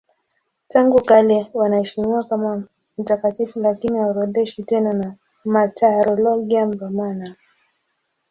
Tangu kale wanaheshimiwa kama mtakatifu lakini haorodheshwi tena na Martyrologium Romanum.